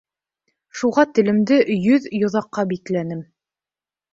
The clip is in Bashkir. Шуға телемде йөҙ йоҙаҡҡа бикләнем.